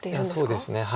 そうですね。